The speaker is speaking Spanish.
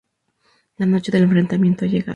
La noche del enfrentamiento ha llegado.